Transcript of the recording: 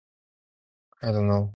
I dunno